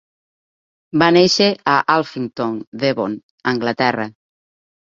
Va néixer a Alphington, Devon, Anglaterra.